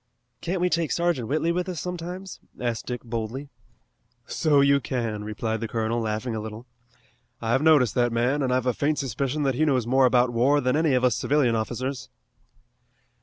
"Can't we take Sergeant Whitley with us sometimes?" asked Dick boldly. "So you can," replied the colonel, laughing a little. "I've noticed that man, and I've a faint suspicion that he knows more about war than any of us civilian officers."